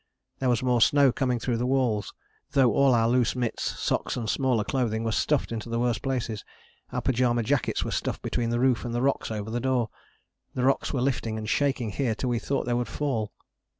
There was more snow coming through the walls, though all our loose mitts, socks and smaller clothing were stuffed into the worst places: our pyjama jackets were stuffed between the roof and the rocks over the door. The rocks were lifting and shaking here till we thought they would fall.